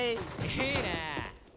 いいね！